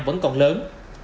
vẫn còn lớn